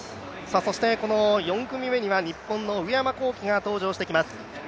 そしてこの４組目には、日本の上山紘輝が登場してきます。